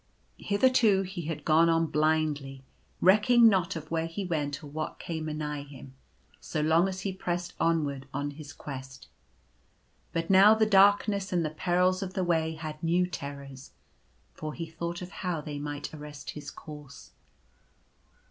Hitherto he had gone on blindly, recking not of t The Warning of the Ghosts. 151 where he went or what came a nigh him, so long as he pressed onward on his quest ; but now the darkness and the peril of the way had new terrors, for he thought of how they might arrest his course.